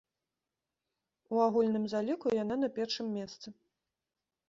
У агульным заліку яна на першым месцы.